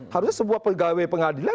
harusnya sebuah pegawai pengadilan